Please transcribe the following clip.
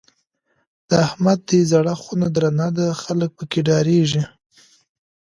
د احمد دی زړه خونه درنه ده؛ خلګ په کې ډارېږي.